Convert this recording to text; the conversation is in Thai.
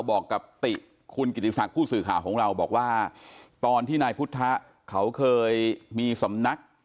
บอกกับติคุณกิติศักดิ์ผู้สื่อข่าวของเราบอกว่าตอนที่นายพุทธะเขาเคยมีสำนัก